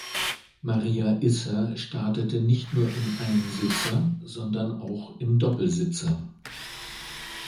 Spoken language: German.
Maria Isser startete nicht nur im Einsitzer, sondern auch im Doppelsitzer.